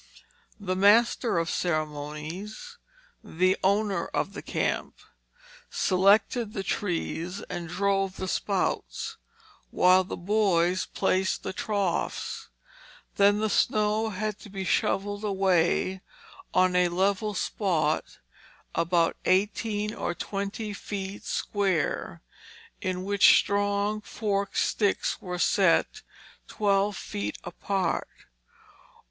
The master of ceremonies the owner of the camp selected the trees and drove the spouts, while the boys placed the troughs. Then the snow had to be shovelled away on a level spot about eighteen or twenty feet square, in which strong forked sticks were set twelve feet apart.